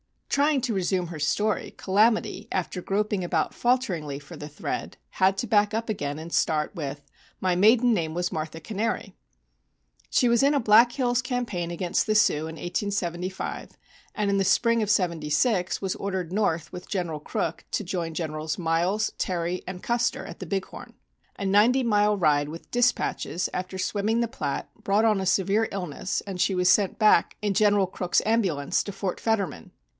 Trying to resume her story, "Calamity," after groping about falteringly for the thread, had to back up again and start with "My maiden name was Martha Cannary." She was in a Black Hills campaign against the Sioux in 1875, and in the spring of '76 was ordered north with General Crook to join Generals Miles, Terry and Custer at the Big Horn. A ninety mile ride with dispatches after swimming the Platte brought on a severe illness, and she was sent back in General Crook's ambulance to Fort Fetterman.